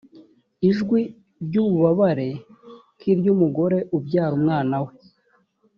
ijwi ry ububabare nk iry umugore ubyara umwana we